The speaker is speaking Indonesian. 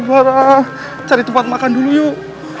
boleh cari tempat makan dulu yuk